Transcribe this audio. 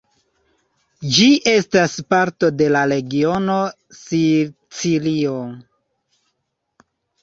Ĝi estas parto de la regiono Sicilio.